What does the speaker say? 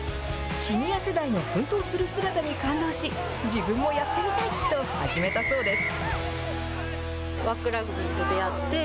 シニア世代の奮闘する姿に感動し、自分もやってみたいと、始めたそうです。